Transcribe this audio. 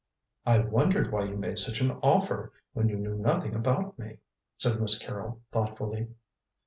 "I wondered why you made such an offer, when you knew nothing about me," said Miss Carrol thoughtfully.